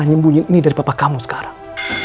nyembuhin ini dari papa kamu sekarang